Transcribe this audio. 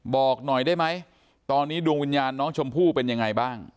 บอกหน่อยได้ไหมตอนนี้ดวงวิญญาณน้องชมพู่เป็นยังไงบ้าง